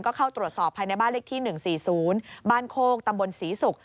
ก็เข้าตรวจสอบภายในบ้านเลขที่๑๔๐บ้านโคกตำบลศรีศุกร์